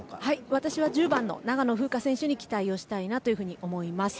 私は１０番の長野風花選手に期待をしたいと思います。